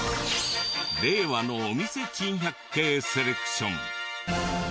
令和のお店珍百景セレクション。